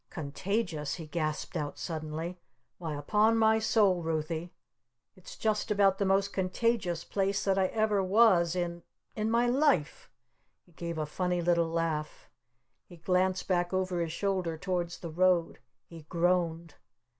"Contagious?" he gasped out suddenly. "Why, upon my soul, Ruthie it's just about the most contagious place that I ever was in in my life!" He gave a funny little laugh. He glanced back over his shoulder towards the road. He groaned.